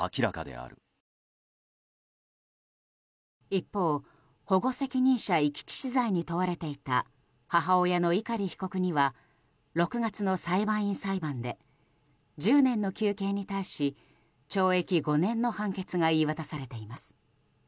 一方、保護責任者遺棄致死罪に問われていた母親の碇被告には６月の裁判員裁判で１０年の求刑に対し懲役５年の判決が言い渡されています。